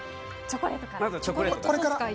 まずチョコレートから。